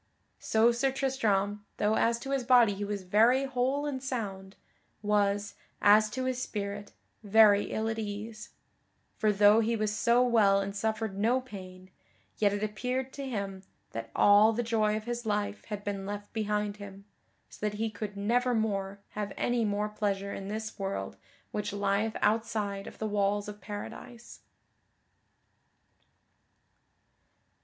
So Sir Tristram, though as to his body he was very whole and sound, was, as to his spirit, very ill at ease; for though he was so well and suffered no pain, yet it appeared to him that all the joy of his life had been left behind him, so that he could nevermore have any more pleasure in this world which lieth outside of the walls of Paradise.